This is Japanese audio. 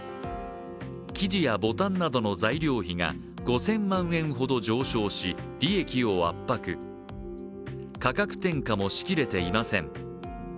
生地やボタンなどの材料費が５０００万円ほど上昇し、利益を圧迫、価格転嫁もしきれていません。